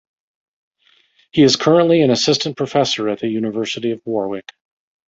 He is currently an Assistant Professor at the University of Warwick.